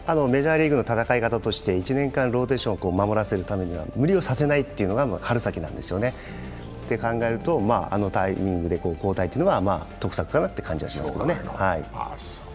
メジャーリーグの戦い方として１年間、ローテーション守らせるためには無理をさせないというのが春先なんですよね。と考えると、あのタイミングで交代というのは得策かなと感じますね。